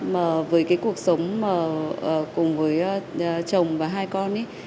mà với cái cuộc sống mà cùng với chồng và hai con ấy